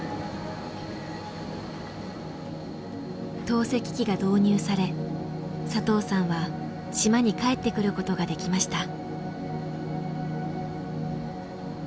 透析機が導入され佐藤さんは島に帰ってくることができました。